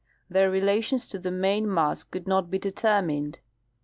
Their relations to the main mass could not be determined.